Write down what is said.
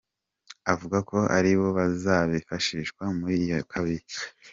Avuga ko ari bo bazifashishwa muri iyo ya kabiri.